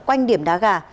quanh điểm đá gà